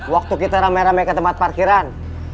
waktu kita rame rame ke tempat parkiran